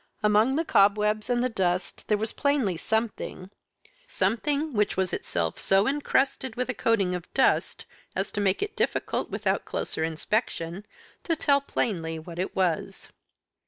Among the cobwebs and the dust there was plainly something something which was itself so encrusted with a coating of dust as to make it difficult, without closer inspection, to tell plainly what it was.